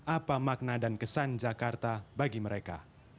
apa makna dan kesan jakarta bagi mereka